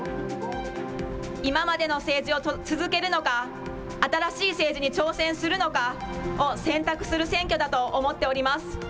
今までの政治を続けるのか、新しい政治に挑戦するのかを選択する選挙だと思っております。